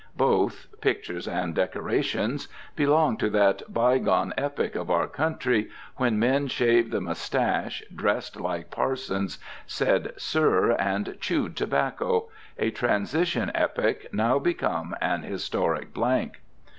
Both pictures and decorations belong to that bygone epoch of our country when men shaved the moustache, dressed like parsons, said "Sir," and chewed tobacco, a transition epoch, now become an historic blank.